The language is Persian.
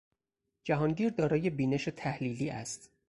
جهانگیر دارای بینش تحلیلی است.